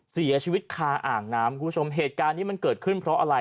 เสียชีวิตคาอ่างน้ำคุณผู้ชมเหตุการณ์นี้มันเกิดขึ้นเพราะอะไร